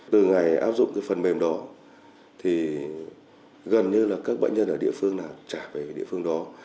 từ ngày áp dụng cái phần mềm đó thì gần như là các bệnh nhân ở địa phương nào trả về địa phương đó